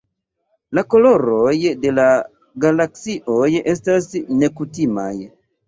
La koloroj de la galaksioj estas nekutimaj.